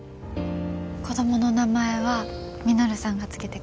子供の名前は稔さんが付けてくださいね。